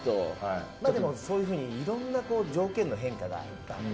そういうふうにいろいろな条件の変化があって。